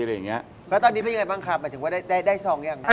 แล้วตอนนี้เป็นยังไงบ้างครับหมายถึงว่าได้ซองอย่างไร